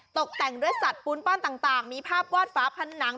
ตกแต่งด้วยสัตว์ปูนปั้นต่างมีภาพวาดฝาผนัง